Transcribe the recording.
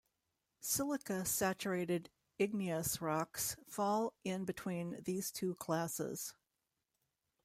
Silica-saturated igneous rocks fall in between these two classes.